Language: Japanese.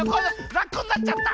ラッコになっちゃった！